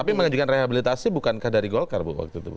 tapi mengajukan rehabilitasi bukankah dari golkar waktu itu